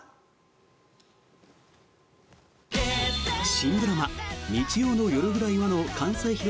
新ドラマ「日曜の夜ぐらいは．．．」の完成披露